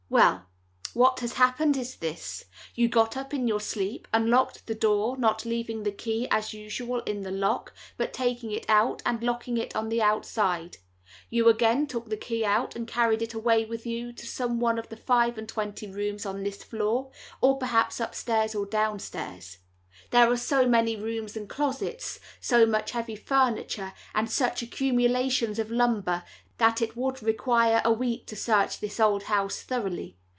"Well, what has happened is this. You got up in your sleep, unlocked the door, not leaving the key, as usual, in the lock, but taking it out and locking it on the outside; you again took the key out, and carried it away with you to some one of the five and twenty rooms on this floor, or perhaps upstairs or downstairs. There are so many rooms and closets, so much heavy furniture, and such accumulations of lumber, that it would require a week to search this old house thoroughly.